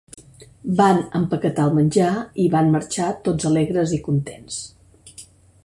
Van empaquetar el menjar i van marxar, tots alegres i contents.